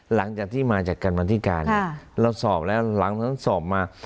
หลังจากที่มาจากการบันทิการเราสอบแล้วหลังจากนั้นสอบมา